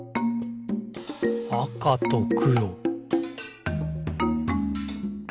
「あかとくろ」